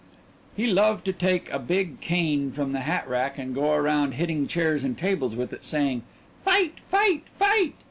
He loved to take a big cane from the hat rack and go around hitting chairs and tables with it and saying: "Fight, fight, fight."